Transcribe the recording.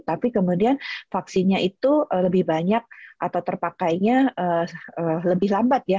tapi kemudian vaksinnya itu lebih banyak atau terpakainya lebih lambat ya